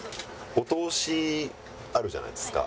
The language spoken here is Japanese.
お通しあるじゃないですか。